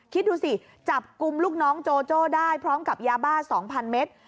คิดดูสิจับกลุ่มลูกน้องโจโจ้ได้พร้อมกับยาบ้า๒๐๐เมตร